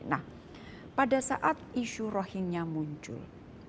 nah pada saat isu rohingya muncul